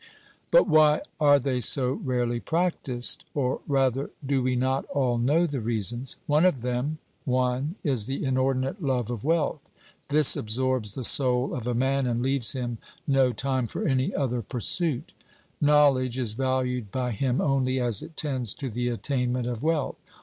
But why are they so rarely practised? Or rather, do we not all know the reasons? One of them (1) is the inordinate love of wealth. This absorbs the soul of a man, and leaves him no time for any other pursuit. Knowledge is valued by him only as it tends to the attainment of wealth.